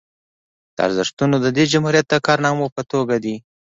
دا ارزښتونه د دې جمهوریت د کارنامو په توګه دي